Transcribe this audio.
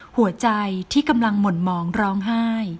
หัวใจที่กำลังหม่นมองร้องไห้